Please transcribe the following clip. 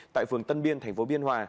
tại phường tân biên thành phố biên hòa